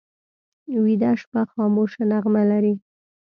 ویده شپه خاموشه نغمه لري